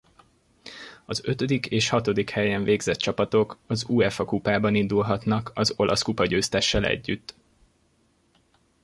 Az ötödik és hatodik helyen végzett csapatok az Uefa-kupában indulhatnak az Olasz kupagyőztessel együtt.